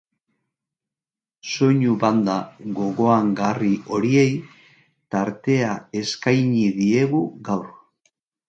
Soinu banda gogoangarri horiei tartea eskaini diegu gaur.